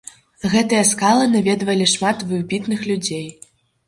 Гэтыя скалы наведвалі шмат выбітных людзей.